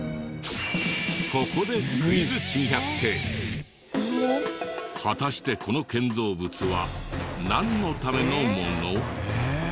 ここで果たしてこの建造物はなんのためのもの？